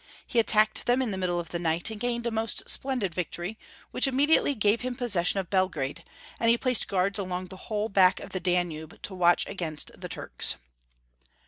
He attacked them in the middle of the night, and gained a most splendid victory, which immediately gave him possession of Karl VI. 889 Belgrade, and he placed guards along the whole bank of the Danube to watch against the Turks.